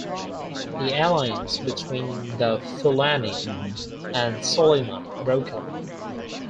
The alliance between the Fulani and Solima broke up.